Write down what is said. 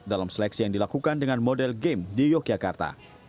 dalam seleksi yang dilakukan dengan model game di yogyakarta